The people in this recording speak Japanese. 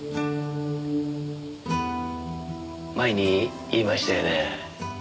前に言いましたよね。